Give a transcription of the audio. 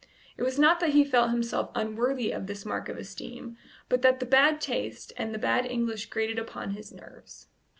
It was not that he felt himself unworthy of this mark of esteem, but that the bad taste and the bad English grated upon his nerves.